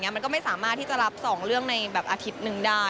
มันก็ไม่สามารถที่จะรับ๒เรื่องในแบบอาทิตย์หนึ่งได้